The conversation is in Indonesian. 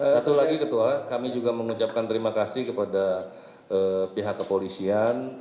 satu lagi ketua kami juga mengucapkan terima kasih kepada pihak kepolisian